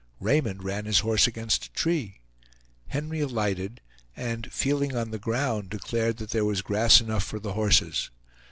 Raymond ran his horse against a tree; Henry alighted, and feeling on the ground declared that there was grass enough for the horses.